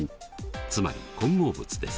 つまり混合物です。